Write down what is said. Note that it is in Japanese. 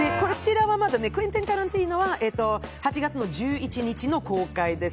「クエンティン・タランティーノ」は８月１１日の公開です。